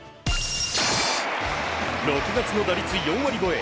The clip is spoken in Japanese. ６月の打率４割超え。